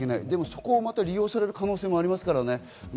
でも、そこを利用される可能性もありますからね。